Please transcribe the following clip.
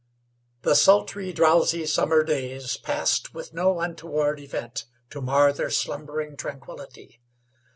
The, sultry, drowsy, summer days passed with no untoward event to mar their slumbering tranquillity.